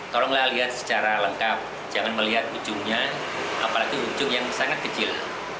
tolonglah lihat secara lengkap jangan melihat ujungnya apalagi ujung yang sangat kecil